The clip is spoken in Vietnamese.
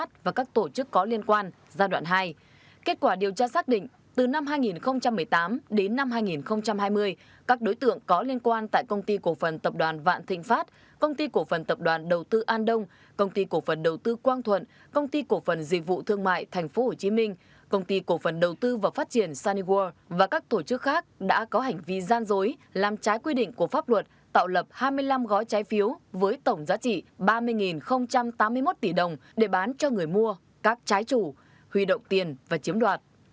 từ năm hai nghìn một mươi tám đến năm hai nghìn hai mươi các đối tượng có liên quan tại công ty cổ phần tập đoàn vạn thịnh pháp công ty cổ phần tập đoàn đầu tư an đông công ty cổ phần đầu tư quang thuận công ty cổ phần dịch vụ thương mại tp hcm công ty cổ phần đầu tư và phát triển sunnyworld và các tổ chức khác đã có hành vi gian dối làm trái quy định của pháp luật tạo lập hai mươi năm gói trái phiếu với tổng giá trị ba mươi tám mươi một tỷ đồng để bán cho người mua các trái chủ huy động tiền và chiếm đoạt